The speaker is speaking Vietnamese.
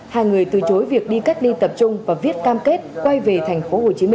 hai người từ chối việc đi cách ly tập trung và viết cam kết quay về tp hcm